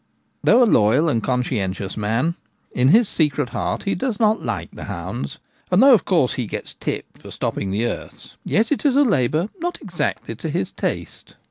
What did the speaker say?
Though a loyal and conscientious man, in his secret heart he does not like the hounds : and though of course he gets tipped for stopping the earths, yet it is a labour not exactly to his taste.